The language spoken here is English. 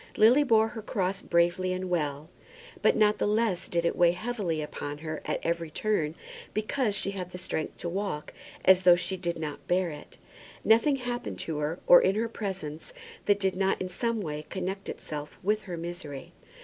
Lily bore her cross bravely and well; but not the less did it weigh heavily upon her at every turn because she had the strength to walk as though she did not bear it. Nothing happened to her, or in her presence, that did not in some way connect itself with her misery.